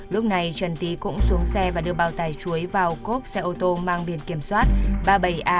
lúc này trần tý cũng xuống xe và đưa bao tài chuối vào cốp xe ô tô mang biển kiểm soát ba mươi bảy a hai mươi chín nghìn sáu trăm hai mươi bảy